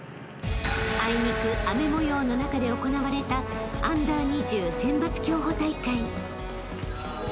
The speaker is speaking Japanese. ［あいにく雨模様の中で行われたＵ２０選抜競歩大会］